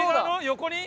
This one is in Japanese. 横に？